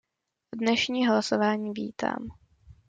Dnešní hlasování vítám.